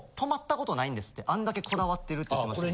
あんだけこだわってるって言ってましたけど。